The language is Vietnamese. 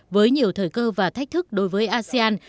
với nhiều thời cơ và thách thức đối với asean